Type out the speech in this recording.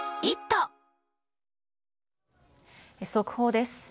速報です。